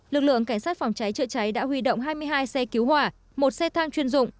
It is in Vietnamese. lực lượng cảnh sát phòng cháy chữa cháy đã huy động hai mươi hai xe cứu hỏa một xe thang chuyên dụng